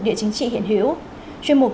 địa chính trị hiện hữu chuyên mục